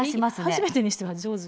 初めてにしては上手に。